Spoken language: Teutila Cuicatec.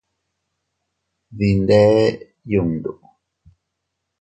Dinde yundu.